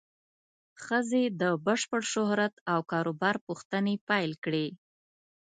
ښځې د بشپړ شهرت او کار و بار پوښتنې پیل کړې.